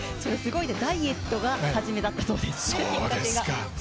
ダイエットが初めだったそうです、きっかけが。